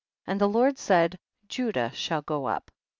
and the Lord said, Judah shall go up.